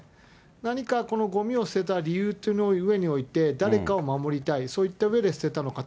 何かごみを捨てた理由のうえにおいて、誰かを守りたい、そういったうえで捨てたのか。